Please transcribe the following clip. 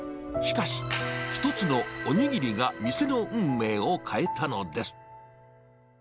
しかし、一つのおにぎりが店の運命を変えたのです。